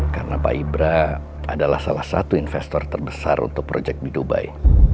karena pak ibra adalah salah satu investor terbesar untuk proyek di dubai